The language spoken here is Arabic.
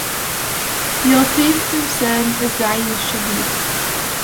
يا طيف تمثال الزعيم الشهيد